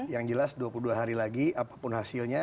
yang jelas dua puluh dua hari lagi apapun hasilnya